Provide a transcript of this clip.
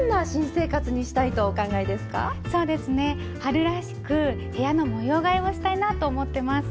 そうですね春らしく部屋の模様替えをしたいなと思ってます。